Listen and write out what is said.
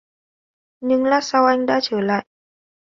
Nhưng lát sau anh đã trở lại